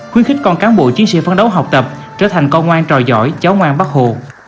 khuyến khích con cán bộ chiến sĩ phấn đấu học tập trở thành con ngoan trò giỏi cháu ngoan bác hồ